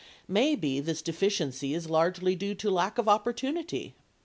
Maybe this deficiency is largely due to lack of opportunity.